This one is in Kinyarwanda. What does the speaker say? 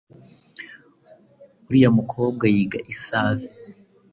Uriya mukobwa yiga i Save.